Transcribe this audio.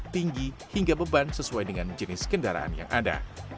tinggi hingga beban sesuai dengan jenis kendaraan yang ada